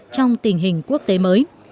trong tình hình quốc tế mới